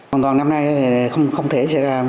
hoàn toàn năm nay thì không thể sẽ ra